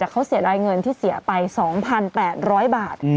เขาเสียรายเงินที่เสียไป๒๘๐๐บาท